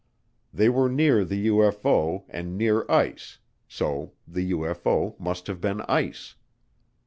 They were near the UFO and near ice, so the UFO must have been ice.